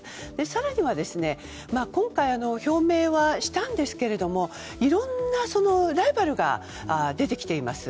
更には今回、表明はしたんですけどもいろんなライバルが出てきています。